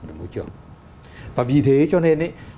của môi trường và vì thế cho nên